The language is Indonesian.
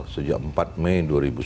sejak empat mei dua ribu sembilan belas